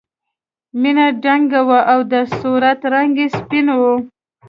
مینه دنګه وه او د صورت رنګ یې سپین و